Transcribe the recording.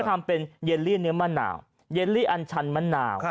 ทำเป็นเยลลี่เนื้อมะนาวเย็นลี่อันชันมะนาว